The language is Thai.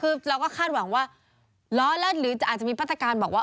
คือเราก็คาดหวังว่าล้อแล้วหรืออาจจะมีมาตรการบอกว่า